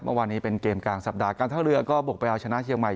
เมื่อวานนี้เป็นเกมกลางสัปดาห์การท่าเรือก็บุกไปเอาชนะเชียงใหม่